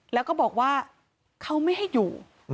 แล้วก็บอกว่าเขาไม่ให้อยู่